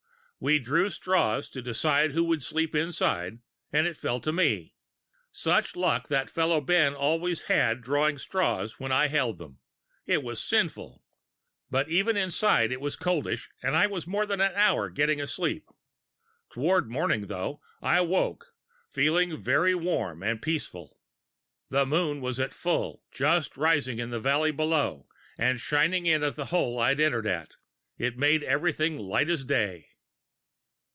We drew straws to decide who should sleep inside, and it fell to me. Such luck as that fellow Ben always had drawing straws when I held them! It was sinful! But even inside it was coldish, and I was more than an hour getting asleep. Toward morning, though, I woke, feeling very warm and peaceful. The moon was at full, just rising in the valley below, and, shining in at the hole I'd entered at, it made everything light as day."